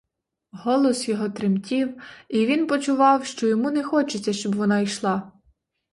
Голос його тремтів, і він почував, що йому не хочеться, щоб вона йшла.